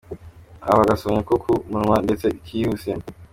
Agasomyo ko ku munwa ndetse kihuse.